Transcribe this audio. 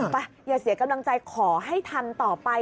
อย่าเสียกำลังใจขอให้ทำต่อไป